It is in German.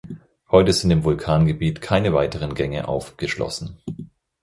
Heute sind im Vulkangebiet keine weiteren Gänge aufgeschlossen.